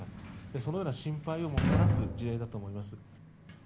そのような心配をもたらす事例だと思います。